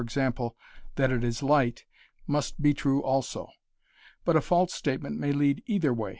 g._ that it is light, must be true also. But a false statement may lead either way.